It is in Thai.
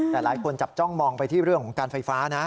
แต่หลายคนจับจ้องมองไปที่เรื่องของการไฟฟ้านะ